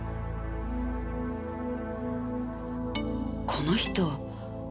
この人。